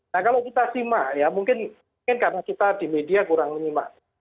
nah kalau kita simak ya mungkin karena kita di media kurang menyimak